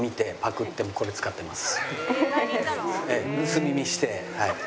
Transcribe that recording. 盗み見してはい。